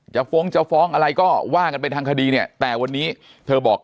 ฟ้องจะฟ้องอะไรก็ว่ากันไปทางคดีเนี่ยแต่วันนี้เธอบอก